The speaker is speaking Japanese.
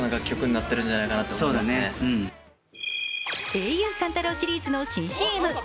ａｕ・三太郎シリーズの新ＣＭ。